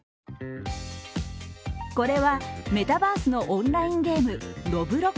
これはメタバースのオンラインゲーム「Ｒｏｂｌｏｘ」。